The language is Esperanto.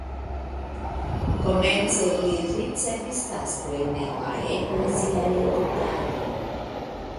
Komence li ricevis taskojn en la eklezia edukado.